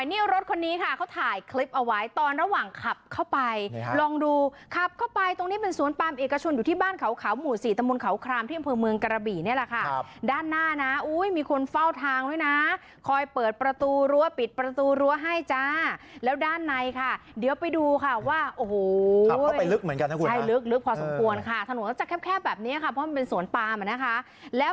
นี่รถคนนี้ค่ะเขาถ่ายคลิปเอาไว้ตอนระหว่างขับเข้าไปลองดูขับเข้าไปตรงนี้เป็นสวนปามเอกชุนอยู่ที่บ้านเขาเขาหมู่ศรีตมนต์เขาครามที่อำเภอเมืองกรบีนี่แหละค่ะครับด้านหน้านะอุ้ยมีคนเฝ้าทางด้วยนะคอยเปิดประตูรั้วปิดประตูรั้วให้จ้าแล้วด้านในค่ะเดี๋ยวไปดูค่ะว่าโอ้โหขับเข้